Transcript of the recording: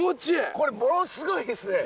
これものすごいですね。